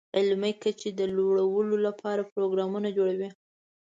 علمي کچې د لوړولو لپاره پروګرام جوړوي.